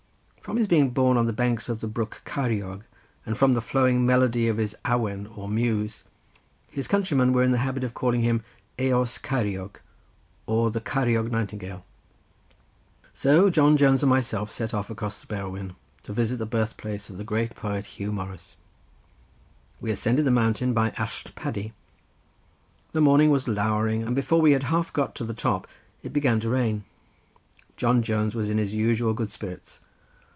From his being born on the banks of the brook Ceiriog, and from the flowing melody of his awen or muse, his countrymen were in the habit of calling him Eos Ceiriog, or the Ceiriog Nightingale. So John Jones and myself set off across the Berwyn to visit the birth place of the great poet Huw Morris. We ascended the mountain by Allt Paddy. The morning was lowering, and before we had half got to the top it began to rain. John Jones was in his usual good spirits.